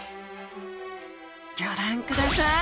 ギョ覧ください！